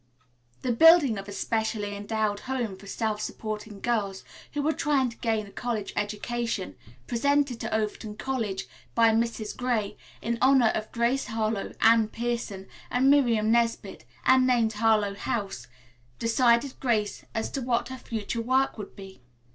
The building of a specially endowed home for self supporting girls who were trying to gain a college education, presented to Overton College, by Mrs. Gray, in honor of Grace Harlowe, Anne Pierson and Miriam Nesbit, and named Harlowe House, decided Grace as to what her future work would be.